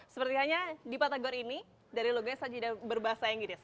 sepertinya di patagor ini dari logonya saja berbahasa inggris